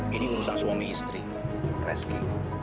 ini urusan suami istri reski